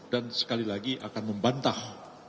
dan sekali lagi akan membantah